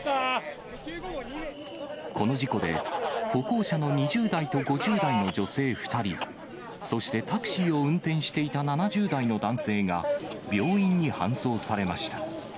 この事故で、歩行者の２０代と５０代の女性２人、そしてタクシーを運転していた７０代の男性が、病院に搬送されました。